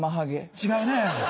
違うね。